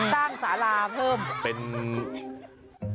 ตั้งสาราเพิ่มเป็นอ่า